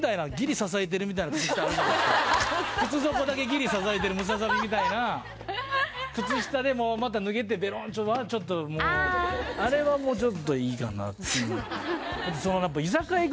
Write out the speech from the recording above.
靴底だけぎり支えてるムササビみたいな靴下でもうまた脱げてベロンチョはちょっともうあれはもうちょっといいかなっていう